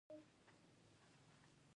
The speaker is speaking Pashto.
ایا زه باید قضاوت وکړم؟